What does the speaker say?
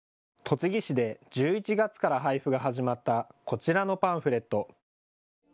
栃木市で１１月から配布が始まったこちらのパンフレット。